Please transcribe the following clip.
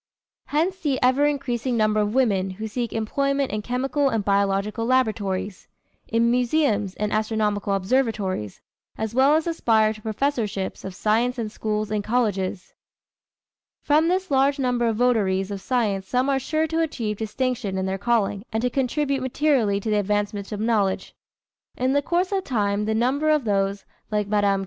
Hence the ever increasing number of women who seek employment in chemical and biological laboratories, in museums and astronomical observatories, as well as aspire to professorships of science in schools and colleges. From this large number of votaries of science some are sure to achieve distinction in their calling and to contribute materially to the advancement of knowledge. In the course of time the number of those, like Mme.